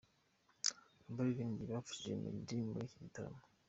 Abaririmbyi bafashije Meddy muri iki gitaramo.